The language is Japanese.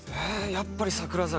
やっぱり『桜坂』。